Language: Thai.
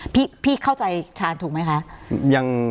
พี่เข้าใจชาญถูกไหมคะ